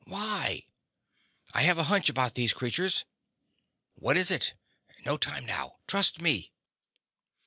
_ "Why?" "I have a hunch about these creatures." "What is it?" _"No time now. Trust me."